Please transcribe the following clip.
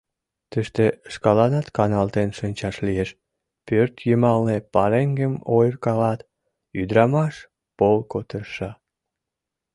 Тыште шкаланат каналтен шинчаш лиеш: пӧртйымалне пареҥгым ойыркалат, ӱдырамаш полко тырша.